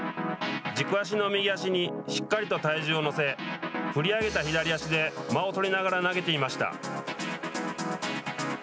軸足の右足にしっかりと体重を乗せ振り上げた左足で間を取りながら投げていました。